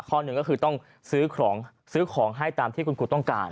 หนึ่งก็คือต้องซื้อของซื้อของให้ตามที่คุณครูต้องการ